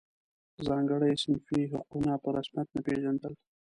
ځانګړي صنفي حقونه په رسمیت نه پېژندل.